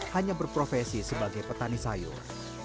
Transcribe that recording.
hanya berprofesi sebagai petani sayur